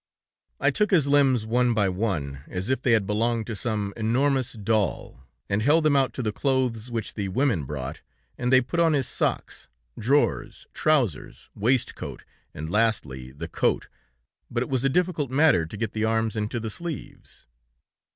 "I took his limbs one by one, as if they had belonged to some enormous doll, and held them out to the clothes which the women brought, and they put on his socks, drawers, trousers, waistcoat, and lastly the coat, but it was a difficult matter to get the arms into the sleeves.